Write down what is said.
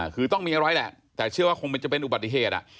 คือต้องมีอะไรแหละแต่เชื่อว่าคงมันจะเป็นอุบัติเหตุ